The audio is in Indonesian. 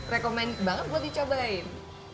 rekomen banget buat dicobain